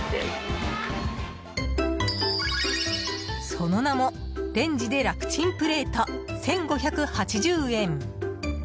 その名もレンジで楽チンプレート１５８０円。